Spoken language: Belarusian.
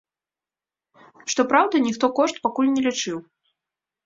Што праўда, ніхто кошт пакуль не лічыў.